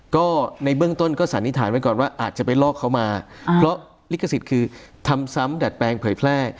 ก็ในเบื้องต้นก็สันนิษฐานไว้ก่อนว่าอาจจะไปลอกเขามาเพราะลิขสิทธิ์คือทำซ้ำดัดแปลงเผยแพร่